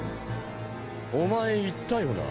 お前言ったよな？